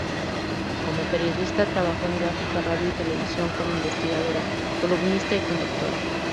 Como periodista trabajó en gráfica, radio y televisión como investigadora, columnista y conductora.